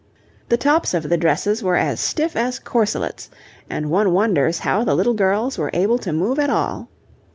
The tops of the dresses were as stiff as corselets, and one wonders how the little girls were able to move at all.